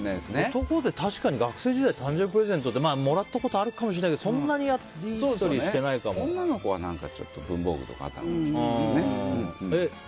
男で確かに学生時代誕生日プレゼントってもらったことあるかもしれないけど女の子は文房具とかはね。